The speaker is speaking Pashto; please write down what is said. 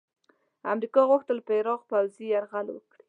امریکا غوښتل په عراق پوځي یرغل وکړي.